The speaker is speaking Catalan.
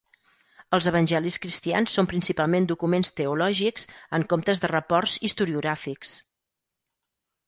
Els Evangelis cristians són principalment documents teològics en comptes de reports historiogràfics.